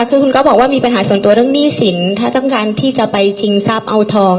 คือคุณก็บอกว่ามีปัญหาส่วนตัวเรื่องหนี้สินถ้าต้องการที่จะไปชิงทรัพย์เอาทอง